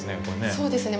そうですね。